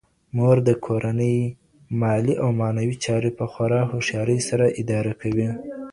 مور د کورنۍ مالي او معنوي چارې په خورا هوښیارۍ سره اداره کوي